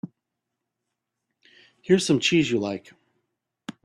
Here's some cheese you like.